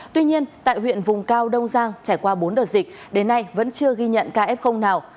tuy nhiên tại huyện vùng cao đông giang trải qua bốn đợt dịch đến nay vẫn chưa ghi nhận ca f nào